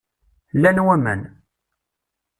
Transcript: Llan waman.